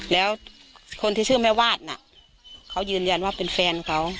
แล้วคนที่ชื่อแม่วาดน่ะเขายืนยันว่าเป็นแฟนเขา